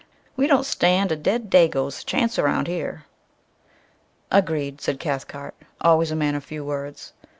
"We don't stand a dead Dago's chance around here." "Agreed," said Cathcart, always a man of few words.